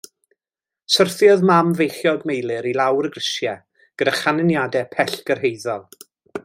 Syrthiodd mam feichiog Meilir i lawr y grisiau gyda chanlyniadau pellgyrhaeddol.